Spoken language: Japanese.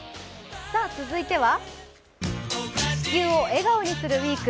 続いては、「地球を笑顔にするＷＥＥＫ」。